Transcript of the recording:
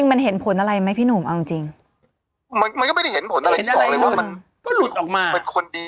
มันก็หลุดไปขนกว่าดิอ๊ยฉันอยากได้เห็นนุ่มเป็นคนดี